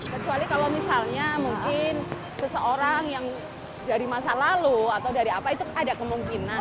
kecuali kalau misalnya mungkin seseorang yang dari masa lalu atau dari apa itu ada kemungkinan